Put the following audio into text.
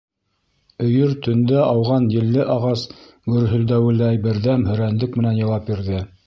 Өйөр төндә ауған елле ағас гөрһөлдәүеләй берҙәм һөрәндәк менән яуап бирҙе.